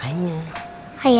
akhirnya kita bisa keluar